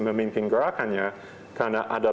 memimpin gerakannya karena ada